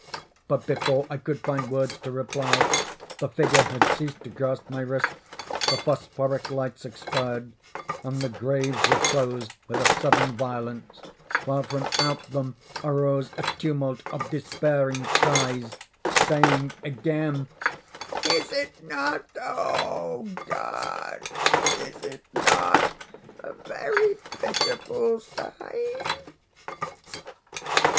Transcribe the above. But, before I could find words to reply, the figure had ceased to grasp my wrist, the phosphoric lights expired, and the graves were closed with a sudden violence, while from out them arose a tumult of despairing cries, saying again: "Is it not—O, God, is it not a very pitiful sight?"